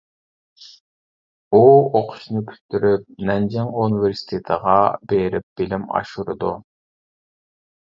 ئۇ ئوقۇشنى پۈتتۈرۈپ نەنجىڭ ئۇنىۋېرسىتېتىغا بېرىپ بىلىم ئاشۇرىدۇ.